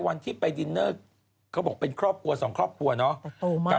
วันที่ไปดินเนอร์เขาบอกเป็นครอบครัวสองครอบครัวเนาะ